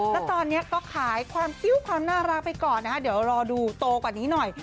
แล้วตอนนี้ก็ขายความคิ้วความน่ารักไปก่อนนะฮะเดี๋ยวรอดูโตกว่านี้หน่อย